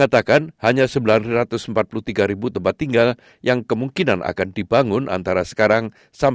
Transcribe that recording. kita harus memiliki perusahaan yang lebih penting